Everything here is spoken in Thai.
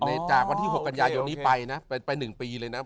จากวันที่๖กันยายนนี้ไปนะไป๑ปีเลยนะ